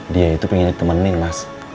dia itu pengen ditemenin mas